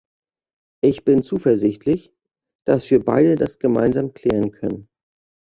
Ich bin zuversichtlich, dass wir beide das gemeinsam klären können.